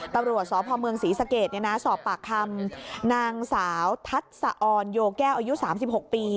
ตรวจสอบภอมเมืองศรีสเกตสอบปากคำนางสาวทัศน์สะออนโยงแก้วอายุ๓๖ปี